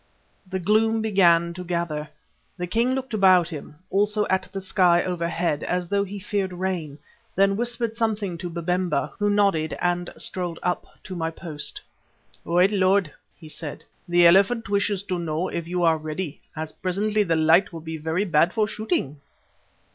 The gloom began to gather. The king looked about him, also at the sky overhead, as though he feared rain, then whispered something to Babemba, who nodded and strolled up to my post. "White lord," he said, "the Elephant wishes to know if you are ready, as presently the light will be very bad for shooting?"